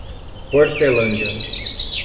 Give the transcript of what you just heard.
Portelândia